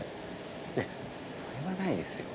いやそれはないですよ。